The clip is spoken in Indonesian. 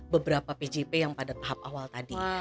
beberapa pjp yang pada tahap awal tadi